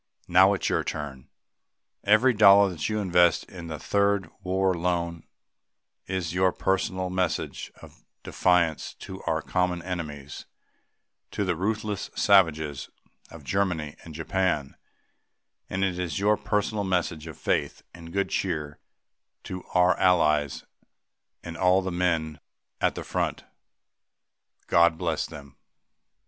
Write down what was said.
Now it is your turn! Every dollar that you invest in the Third War Loan is your personal message of defiance to our common enemies to the ruthless savages of Germany and Japan and it is your personal message of faith and good cheer to our Allies and to all the men at the front. God bless them!